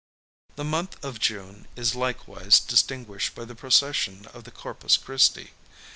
The month of June is likewise distinguished by the procession of the Corpus Christi.